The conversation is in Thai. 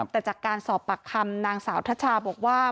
แต่จากการสอบปากคำนางสาวทัชชาบอกว่า